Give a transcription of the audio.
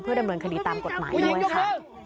ดำเนินคดีตามกฎหมายด้วยค่ะ